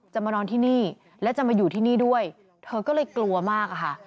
มานอนที่นี่และจะมาอยู่ที่นี่ด้วยเธอก็เลยกลัวมากอะค่ะ